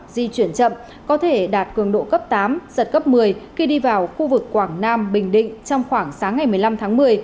di chuyển chậm có thể đạt cường độ cấp tám giật cấp một mươi khi đi vào khu vực quảng nam bình định trong khoảng sáng ngày một mươi năm tháng một mươi